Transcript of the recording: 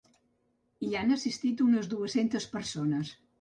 Hi han assistit unes dues-centes persones.